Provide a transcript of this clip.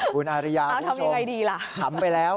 คุณอาริยาคุณโชคขำไปแล้วทำอย่างไรล่ะคุณอาริยาคุณโชคขำไปแล้ว